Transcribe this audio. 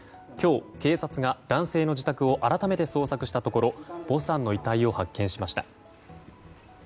今日、警察が男性の自宅を改めて捜索したところヴォさんの遺体を発見しました。